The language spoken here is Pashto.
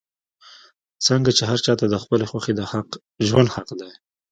څنګ چې هر چا ته د خپلې خوښې د ژوند حق دے